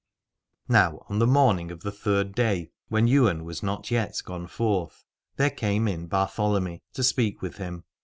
Now on the morning of the third day, when Ywain was not yet gone forth, there came in Bartholomy to speak with him.